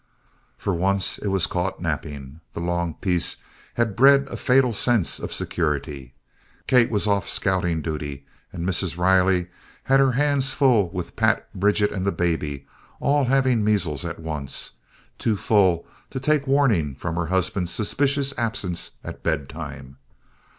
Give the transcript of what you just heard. For once it was caught napping. The long peace had bred a fatal sense of security. Kate was off scouting duty and Mrs. Riley had her hands full with Pat, Bridget, and the baby all having measles at once too full to take warning from her husband's suspicious absence at bedtime.